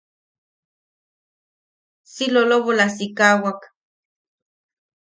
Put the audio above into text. Si lolobola sikaʼawak.